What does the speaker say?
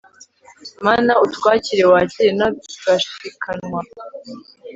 mana utwakire wakire n'agashikanwa